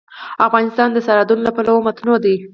افغانستان د سرحدونه له پلوه متنوع دی.